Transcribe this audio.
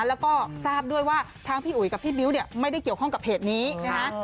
แล้วก็ทราบด้วยว่าทั้งพี่อุ๋ยกับพี่บิ้วเนี่ยไม่ได้เกี่ยวข้องกับเพจนี้นะคะ